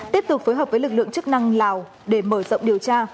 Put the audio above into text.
tiếp tục phối hợp với lực lượng chức năng lào để mở rộng điều tra